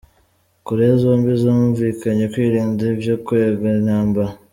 Koreya zombi zumvikanye kwirinda ivyokwega intambara.